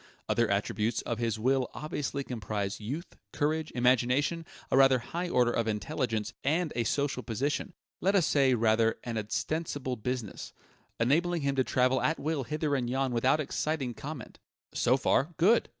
Other attributes of his will obviously comprise youth, courage, imagination, a rather high order of intelligence, and a social position let us say, rather, an ostensible business enabling him to travel at will hither and yon without exciting comment. So far, good!